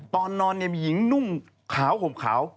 ตอนนอนมีหญิงนุ่งขาวห่มขาว